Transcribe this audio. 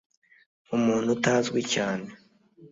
Umuntu utazwi cyane